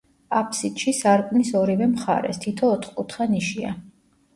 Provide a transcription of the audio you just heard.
აფსიდში, სარკმლის ორივე მხარეს, თითო ოთკუთხა ნიშია.